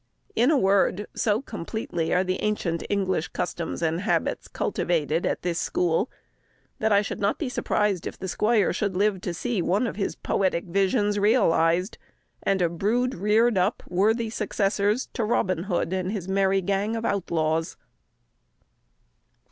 In a word, so completely are the ancient English customs and habits cultivated at this school, that I should not be surprised if the squire should live to see one of his poetic visions realised, and a brood reared up, worthy successors to Robin Hood and his merry gang of outlaws.